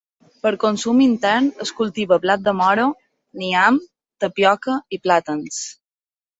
Per consum intern es cultiva blat de moro, nyam, tapioca i plàtans.